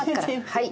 はい。